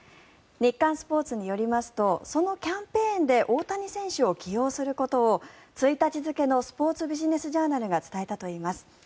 日刊スポーツによりますとそのキャンペーンで大谷選手を起用することを１日付のスポーツビジネス・ジャーナルが伝えたといいます。